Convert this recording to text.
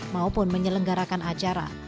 maupun menyelenggarakan acara